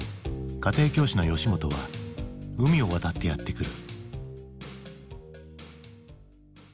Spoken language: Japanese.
家庭教師の吉本は海を渡ってやって来る。